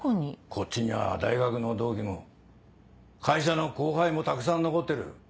こっちには大学の同期も会社の後輩もたくさん残ってる。